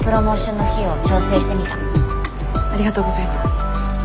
ありがとうございます。